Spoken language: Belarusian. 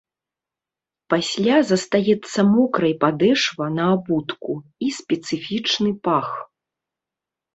Пасля застаецца мокрай падэшва на абутку і спецыфічны пах.